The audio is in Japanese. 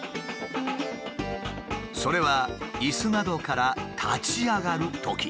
それはイスなどから立ち上がるとき。